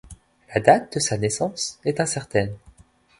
La date de sa naissance est incertaine.